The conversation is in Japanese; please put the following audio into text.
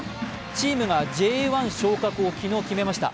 チームがＪ１昇格を昨日、決めました。